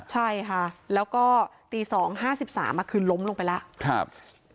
ใช่ค่ะแล้วก็ตี๒๕๓คือล้มลงไปแล้ว